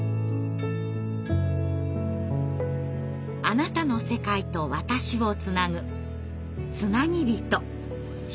あなたの世界と私をつなぐつなぎびと。